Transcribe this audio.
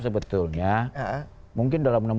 sebetulnya mungkin dalam